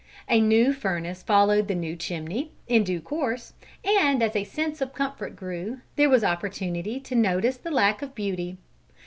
A new furnace followed the new chimney, in due course, and as a sense of comfort grew, there was opportunity to notice the lack of beauty.